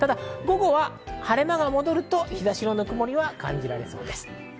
午後は晴れ間が戻ると日差しのぬくもりは感じられそうです。